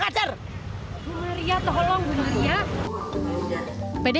berhari hari ya tolong berhari ya